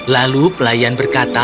lalu pelayan berkata